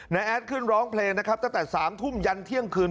แอดขึ้นร้องเพลงนะครับตั้งแต่๓ทุ่มยันเที่ยงคืน